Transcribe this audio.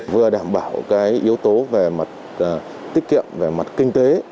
vừa đảm bảo cái yếu tố về mặt tiết kiệm về mặt kinh tế